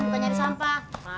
bukan nyari sampah